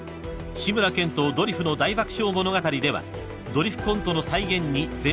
［『志村けんとドリフの大爆笑物語』ではドリフコントの再現に全力で挑んだ］